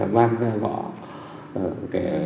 mình có thể gõ